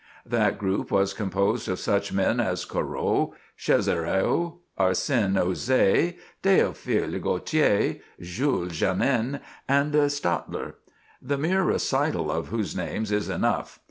That group was composed of such men as Corot, Chesseriau, Arsène Houssaye, Théophile Gautier, Jules Janin, and Stadler; the mere recital of whose names is enough.